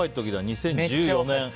２０１４年。